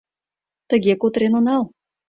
— Тыге кутырен онал.